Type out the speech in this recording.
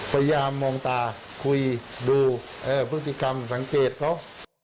พยายามมองตาคุยดูพฤติกรรมสังเกตเขา